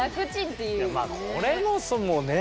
いやまあこれもそのね。